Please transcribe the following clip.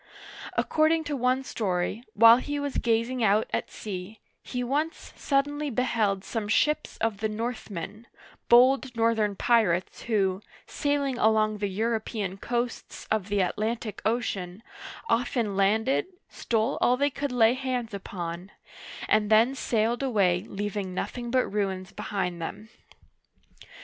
According to one story, while he was gazing out at sea, he once suddenly beheld some ships of the Northmen — bold northern pirates who, sailing along the European coasts of the Atlantic Ocean, often landed, stole all they could lay hands upon, and then sailed away leaving nothing but ruins behind them.